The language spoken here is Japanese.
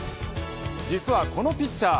実はこのピッチャー